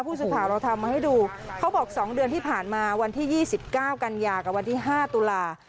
ผู้สุข่าวเราทำมาให้ดูเขาบอกสองเดือนที่ผ่านมาวันที่ยี่สิบเก้ากันยากับวันที่ห้าตุลาคม